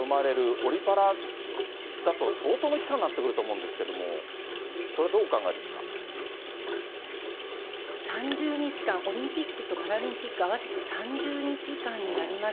オリパラだと、相当の期間になってくると思うんですけれども、それはどうお考え３０日間、オリンピックとパラリンピック合わせて３０日間になります。